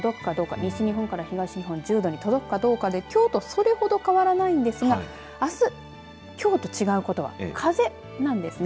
西日本から東日本１０度に届くかどうかできょうとそれほど変わらないんですがあす、きょうと違うことは風なんですね。